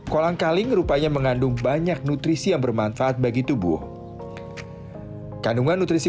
kolang kaling rupanya mengandung banyak nutrisi yang bermanfaat bagi tubuh kandungan nutrisi